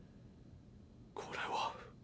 これは？